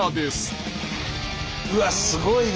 うわっすごいな。